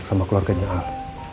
sama keluarganya al